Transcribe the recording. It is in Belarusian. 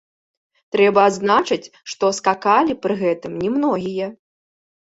Трэба адзначыць, што скакалі пры гэтым не многія.